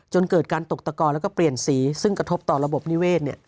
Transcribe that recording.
จนเกิดการตกตะกอแล้วก็เปลี่ยนสีซึ่งกระทบต่อระบบนิเวศ